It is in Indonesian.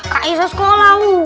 kak iza sekolah wuh